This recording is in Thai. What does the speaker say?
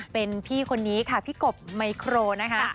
เป็นพี่คนนี้ค่ะพี่กบไมโครนะคะ